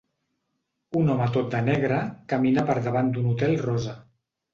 Un home tot de negre camina per davant d'un hotel rosa.